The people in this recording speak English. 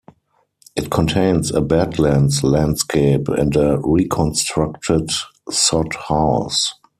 It contains a badlands landscape and a reconstructed sod house.